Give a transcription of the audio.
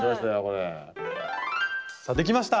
さあできました！